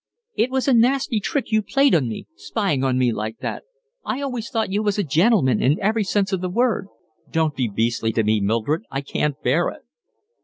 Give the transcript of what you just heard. "It was a nasty trick you played on me, spying on me like that. I always thought you was a gentleman in every sense of the word." "Don't be beastly to me, Mildred. I can't bear it."